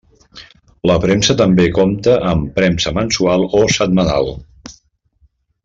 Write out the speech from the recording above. La premsa també compta amb premsa mensual o setmanal.